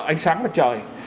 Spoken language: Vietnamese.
ánh sáng ở trời